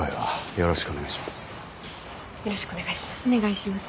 よろしくお願いします。